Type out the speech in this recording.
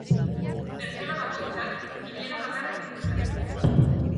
Pertsona bakoitzak kiniela bakarra egin dezake.